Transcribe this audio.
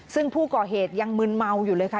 ซึ่งผู้ก่อเหตุยังมึนเมาอยู่เลยค่ะ